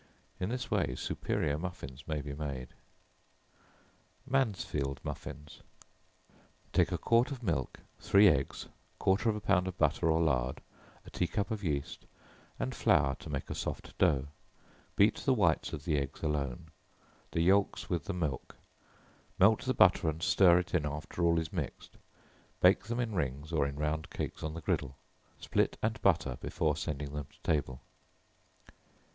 In this way superior muffins may be made. Mansfield Muffins. Take a quart of milk, three eggs, quarter of a pound of butter or lard, a tea cup of yeast, and flour to make a soft dough; heat the whites of the eggs alone, the yelks with the milk; melt the butter and stir it in after all is mixed; bake them in rings, or in round cakes on the griddle: split and butter before sending them to table.